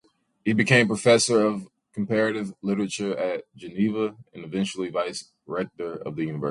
He became professor of comparative literature at Geneva, and eventually vice-rector of the university.